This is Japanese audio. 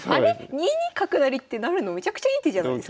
２二角成って成るのめちゃくちゃいい手じゃないですか。